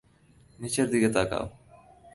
নিচের দিকে তাকাও।